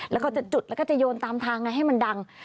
แล้วเขาจะจุดแล้วก็จะโยนตามทางไงให้มันดัง